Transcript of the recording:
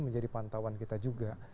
menjadi pantauan kita juga